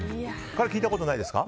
これ、聞いたことないですか？